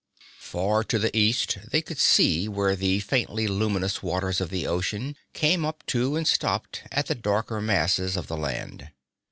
Far to the east they could see where the faintly luminous waters of the ocean came up to and stopped at the darker masses of the land.